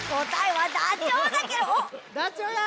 ダチョウや！